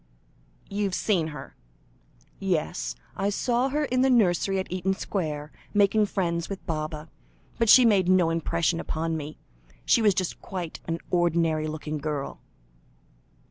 "You've seen her?" "Yes; I saw her in the nursery at Eaton Square, making friends with Baba, but she made no impression upon me; she was just quite an ordinary looking girl."